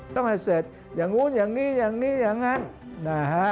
ต้องให้เสร็จอย่างนู้นอย่างนี้อย่างนี้อย่างนั้นนะฮะ